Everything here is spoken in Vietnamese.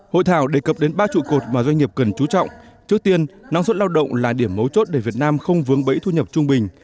hội thảo đề cập đến ba trụ cột mà doanh nghiệp cần chú trọng trước tiên năng suất lao động là điểm mấu chốt để việt nam không vướng bẫy thu nhập trung bình